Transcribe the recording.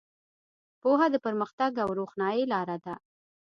پوهه د پرمختګ او روښنایۍ لاره ده.